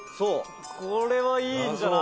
「これはいいんじゃない？」